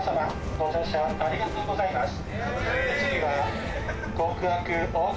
ご乗車ありがとうございます。